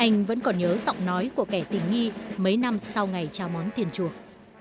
anh vẫn còn nhớ giọng nói của kẻ tình nghi mấy năm sau ngày trao món tiền chuộc